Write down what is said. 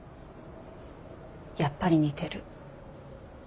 やっぱり似てる。